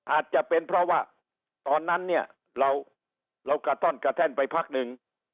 อาจจะเป็นเพราะว่าตอนนั้นเนี่ยเรากระต้อนกระแท่นไปพักหนึ่ง